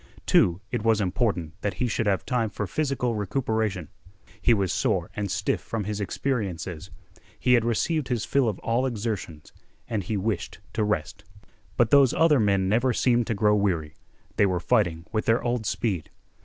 Too it was important that he should have time for physical recuperation. He was sore and stiff from his experiences. He had received his fill of all exertions, and he wished to rest. But those other men seemed never to grow weary; they were fighting with their old speed.